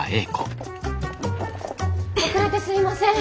遅れてすいません！